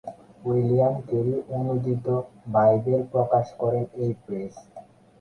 William Carey অনূদিত Bible প্রকাশ করেন এই প্রেস।